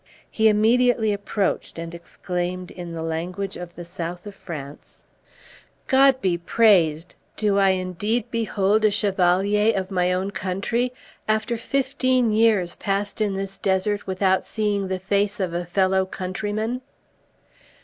He immediately approached, and exclaimed, in the language of the South of France, "God be praised! Do I indeed behold a chevalier of my own country, after fifteen years passed in this desert without seeing the face of a fellow countryman?"